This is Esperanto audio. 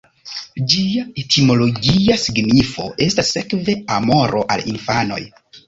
Ĝia etimologia signifo estas sekve 'amoro al infanoj'.